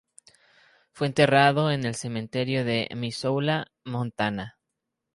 Fue enterrado en el Cementerio de Missoula, Montana.